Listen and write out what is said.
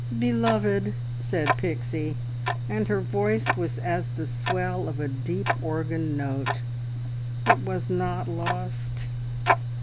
"Beloved!" said Pixie, and her voice was as the swell of a deep organ note. "It was not lost.